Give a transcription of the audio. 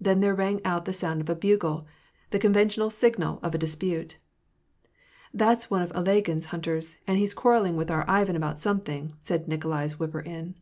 Then there rang out the sound of a bugle ; the conventional signal of a dispute. ^' That's one of Ilagin's hunters ; and he's quarrelling with our Ivan about something." said Nikolai's whipper in.